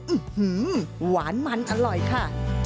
อื้อฮือหวานมันอร่อยค่ะ